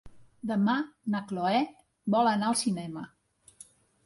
Demà na Cloè vol anar al cinema.